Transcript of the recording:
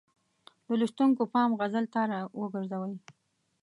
د لوستونکو پام غزل ته را وګرځوي.